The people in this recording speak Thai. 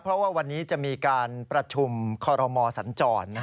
เพราะว่าวันนี้จะมีการประชุมคอรมอสัญจร